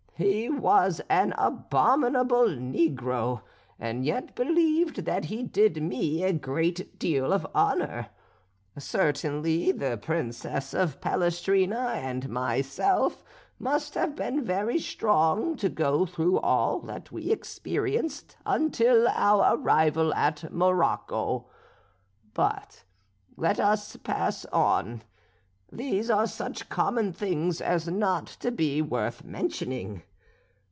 He was an abominable negro, and yet believed that he did me a great deal of honour. Certainly the Princess of Palestrina and myself must have been very strong to go through all that we experienced until our arrival at Morocco. But let us pass on; these are such common things as not to be worth mentioning.